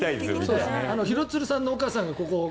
廣津留さんのお母さんがここに。